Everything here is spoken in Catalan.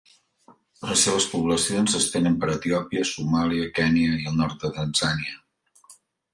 Les seves poblacions s'estenen per Etiòpia, Somàlia, Kenya i el nord de Tanzània.